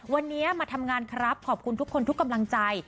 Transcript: วันนี้มาทำงานครับขอบคุณทุกคนทุกกำลังใจ